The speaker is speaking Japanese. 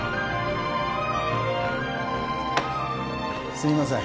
すいません